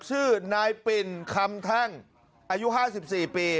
ชื่อนายปิ่นคำแท่งอายุ๕๔ปี